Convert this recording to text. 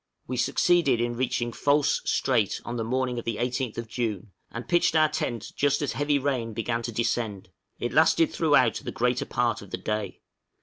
We succeeded in reaching False Strait on the morning of the 18th June, and pitched our tent just as heavy rain began to descend; it lasted throughout the greater part of the day.